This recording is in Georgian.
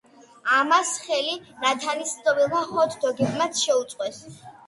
ამას ხელი „ნათანის ცმობილმა ჰოთ-დოგებმაც“ შეუწყვეს.